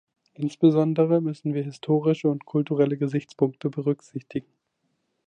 Insbesondere müssen wir historische und kulturelle Gesichtspunkte berücksichtigen.